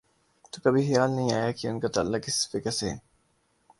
تو کبھی خیال نہیں آیا کہ ان کا تعلق کس فقہ سے ہے۔